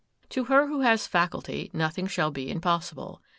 To her who has faculty nothing shall be impossible.